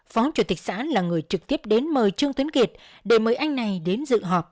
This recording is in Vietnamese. phó chủ tịch xã là người trực tiếp đến mời trương tuyến kiệt để mời anh này đến dự họp